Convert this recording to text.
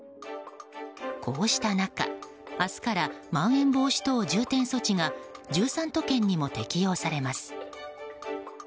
こうした中、明日からまん延防止等重点措置が１３都県にも適用されます。